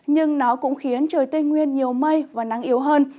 nhưng nó cũng khiến trời tây nguyên nhiều mây và nắng yếu hơn